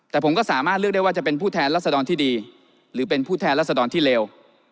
แต่ผมก็สามารถเลือกได้ว่าจะเป็นผู้แทนรัศดรที่ดีหรือเป็นผู้แทนรัศดรที่เร็ว